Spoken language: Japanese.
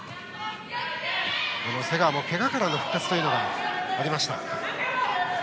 瀬川もけがからの復活がありました。